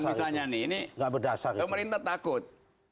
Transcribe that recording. sekarang misalnya ini pemerintah takut